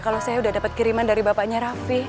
kalau saya udah dapat kiriman dari bapaknya raffi